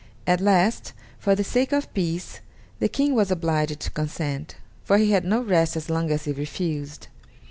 At last, for the sake of peace, the King was obliged to consent, for he had no rest as long as he refused.